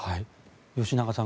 吉永さん